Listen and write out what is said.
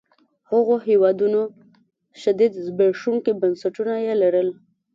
هغو هېوادونو شدید زبېښونکي بنسټونه يې لرل.